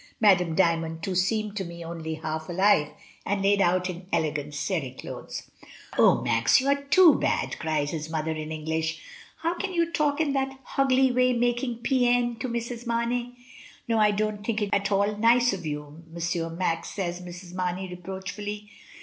Madame Dymond too seemed to me only half alive, and laid out in elegant cere clothes." "Oh, Max, you are too bad!" cries his mother, in English. "How can you talk in that hogly way, making peine to Mrs. Mamey?" "No, I don't think it at all nice of you, M Max!" says Mrs. Mamey, reproachfully.